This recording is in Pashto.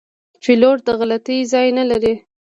پیلوټ د غلطي ځای نه لري.